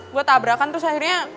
gua tabrakan terus akhirnya